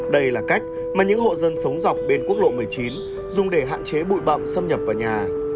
đây là cách mà những hộ dân sống dọc bên quốc lộ một mươi chín dùng để hạn chế bụi bậm xâm nhập vào nhà